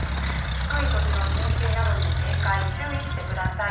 低い土地の浸水などに警戒・注意してください。